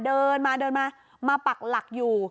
เดินมาเดินมามาปักหลักอยู่